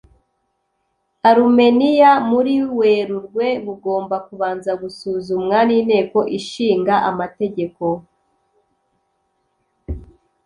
arumeniya muri werurwe bugomba kubanza gusuzumwa n’inteko ishinga amategeko